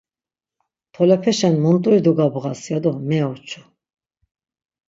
Tolepeşen munt̆uri dogabğas, ya do meoçu.